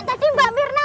tadi mbak mirna